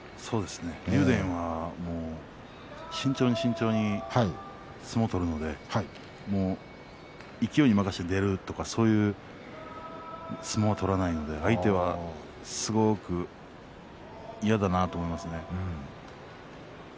竜電は慎重に慎重に相撲を取るのでもう勢いに任せて出るとかそういう相撲は取らないので相手は、すごく嫌だなと思うんですね。